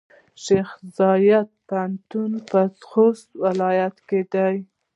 شیخزاید پوهنتون پۀ خوست ولایت کې دی.